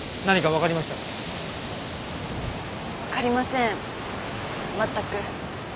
わかりません全く。